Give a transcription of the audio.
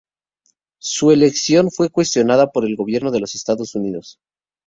Su elección fue cuestionada por el Gobierno de los Estados Unidos.